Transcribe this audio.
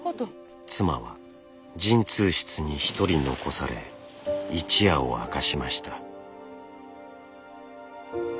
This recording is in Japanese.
妻は陣痛室に一人残され一夜を明かしました。